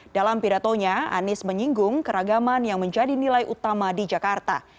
dalam pidatonya anies menyinggung keragaman yang menjadi nilai utama di jakarta